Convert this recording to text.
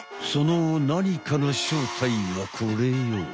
その何かの正体はこれよ。